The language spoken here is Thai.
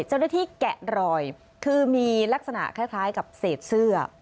เจ้าหน้าที่แกะรอยคือมีลักษณะคล้ายกับเศษเสื้อ